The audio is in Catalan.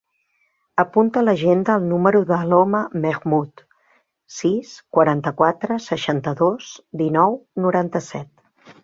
Apunta a l'agenda el número de l'Aloma Mehmood: sis, quaranta-quatre, seixanta-dos, dinou, noranta-set.